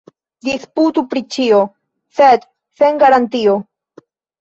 Disputu pri ĉio, sed sen garantio.